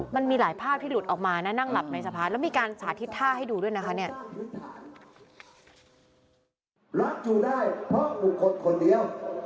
มันมีหลายภาพที่หลุดออกมานะนั่งหลับในสะพานแล้วมีการสาธิตท่าให้ดูด้วยนะคะเนี่ย